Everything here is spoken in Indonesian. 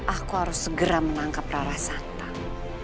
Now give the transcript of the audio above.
aku harus segera menangkap rara santang